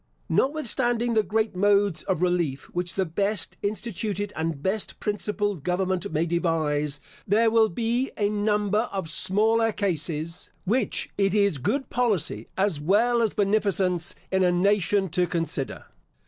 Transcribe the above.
Notwithstanding the great modes of relief which the best instituted and best principled government may devise, there will be a number of smaller cases, which it is good policy as well as beneficence in a nation to consider.